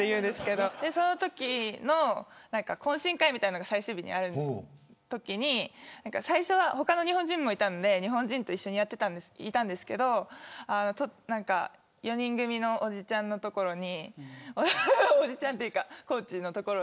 そのときの懇親会みたいなのが最終日にあるときに最初、他の日本人もいたので日本人と一緒にいたんですけど４人組のおじちゃんの所におじちゃんというかコーチの所に。